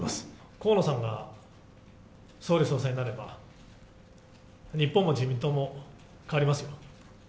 河野さんが総理・総裁になれば、日本も自民党も変わりますよ。